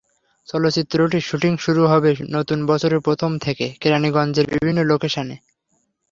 চলচ্চিত্রটির শুটিং শুরু হবে নতুন বছরের প্রথম থেকে কেরানীগঞ্জের বিভিন্ন লোকেশনে।